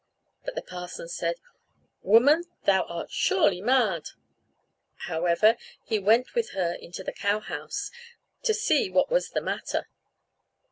But the parson said, "Woman, thou art surely mad!" However, he went with her into the cow house to see what was the matter.